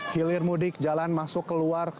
hilir mudik jalan masuk keluar